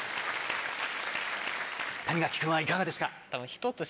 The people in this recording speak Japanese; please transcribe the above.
谷垣君はいかがですか？